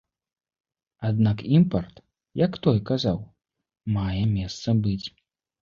Аднак імпарт, як той казаў, мае месца быць.